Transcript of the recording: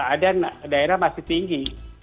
ada daerah masih tinggi